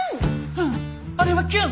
うんあれはキュン！